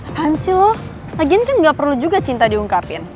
apaan sih lo lagian kan gak perlu juga cinta diungkapin